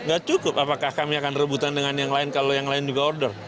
gak cukup apakah kami akan rebutan dengan yang lain kalau yang lain juga order